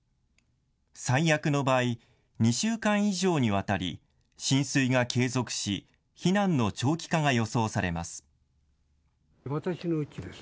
最悪の場合、２週間以上にわたり浸水が継続し避難の長期化が予想されます。